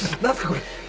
これ。